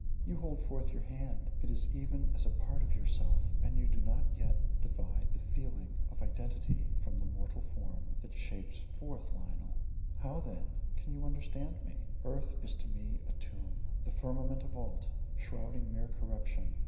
You hold forth your hand; it is even as a part of yourself; and you do not yet divide the feeling of identity from the mortal form that shapes forth Lionel. How then can you understand me? Earth is to me a tomb, the firmament a vault, shrouding mere corruption.